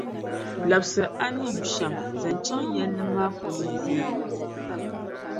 labisi a ni yu shɛm zaŋ chaŋ yɛlli maa polo zilinli ti ti na.